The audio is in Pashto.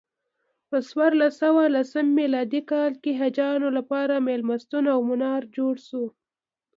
په څوارلس سوه لسم میلادي کال حاجیانو لپاره میلمستون او منار جوړ شو.